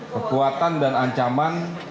kekuatan dan ancaman